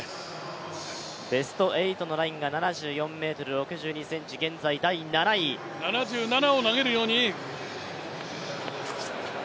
ベスト８のラインが７４ｍ６２ｃｍ、７７を投げるように。